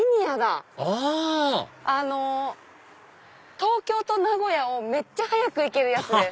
東京と名古屋をめっちゃ速く行けるやつです。